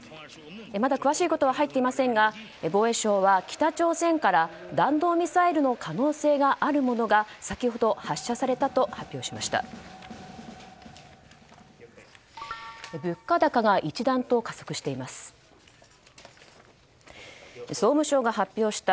まだ詳しいことは入っていませんが防衛省は北朝鮮から弾道ミサイルの可能性があるものが先ほど、発射されたと発表しました。